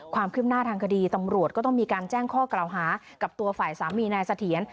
ความคืบหน้าทางคดีตำรวจก็ต้องมีการแจ้งข้อกล่าวหากับตัวฝ่ายสามีนายเสถียร